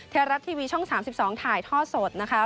ไทยรัฐทีวีช่อง๓๒ถ่ายท่อสดนะคะ